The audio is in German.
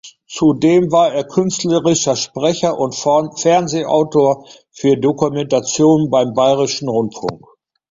Zudem war er künstlerischer Sprecher und Fernsehautor für Dokumentationen beim Bayerischen Rundfunk.